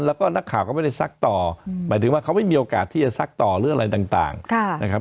แล้วก็นักข่าวก็ไม่ได้ซักต่อหมายถึงว่าเขาไม่มีโอกาสที่จะซักต่อหรืออะไรต่างนะครับ